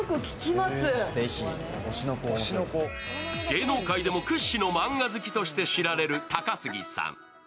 芸能界でも屈指の漫画好きとしして知られる高杉さん。